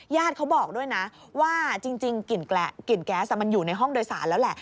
เขาบอกด้วยนะว่าจริงกลิ่นแก๊สมันอยู่ในห้องโดยสารแล้วแหละ